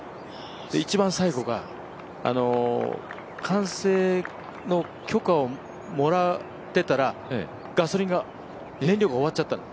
一番最後が、管制の許可をもらってたら、ガソリンが、燃料が終わっちゃったの。